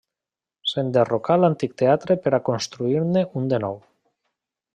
S'enderrocà l'antic teatre per a construir-ne un de nou.